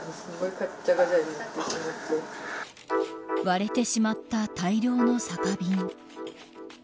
割れてしまった大量の酒瓶。